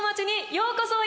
ようこそ！